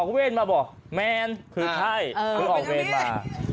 ออกเวทมาบอกแมนคือไทยเพลาะออกเวทมา